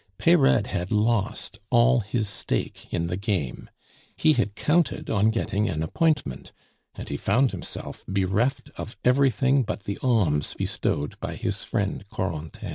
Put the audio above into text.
Peyrade had lost all his stake in the game. He had counted on getting an appointment, and he found himself bereft of everything but the alms bestowed by his friend Corentin.